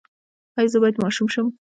ایا زه باید ماشوم شم؟